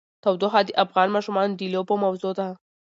تودوخه د افغان ماشومانو د لوبو موضوع ده.